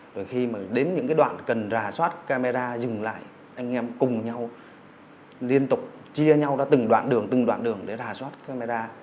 rồi khi mà đến những cái đoạn cần rà soát camera dừng lại anh em cùng nhau liên tục chia nhau ra từng đoạn đường từng đoạn đường để rà soát camera